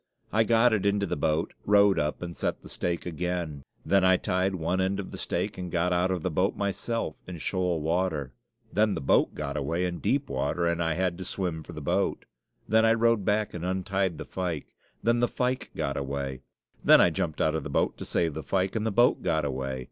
I got it into the boat, rowed up, and set the stake again. Then I tied one end to the stake and got out of the boat myself in shoal water. Then the boat got away in deep water; then I had to swim for the boat. Then I rowed back and untied the fyke. Then the fyke got away. Then I jumped out of the boat to save the fyke, and the boat got away.